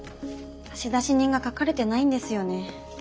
差出人が書かれてないんですよね。